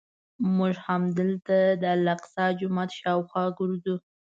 موږ همدلته د الاقصی جومات شاوخوا ګرځو.